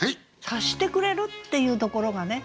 「察してくれる」っていうところがね